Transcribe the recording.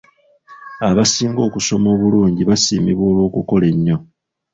Abasinga okusoma obulungi basiimibwa olw'okukola ennyo.